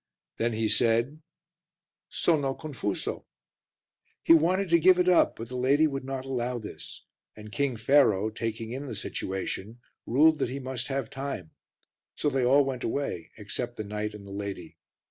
Then he said "Sono confuso." He wanted to give it up, but the lady would not allow this, and King Pharaoh, taking in the situation, ruled that he must have time; so they all went away except the knight and the lady.